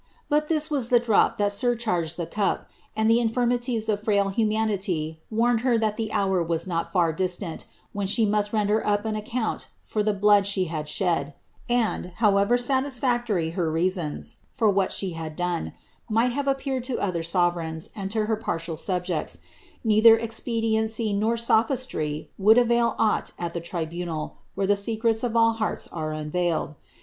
213 But this was the drop that surcharged the cup ; and the infirmities of 6»il humanity warned her that the hour was not far distant when she must render up an account for the blood she had shed ; and, however ntisfiictory her reasons, for what she had done, might have appeared to other Borereigna and to her partial subjects, neither expediency nor sophistry would avail aught at the tribunal, where the secrets of all hearts are unveiled.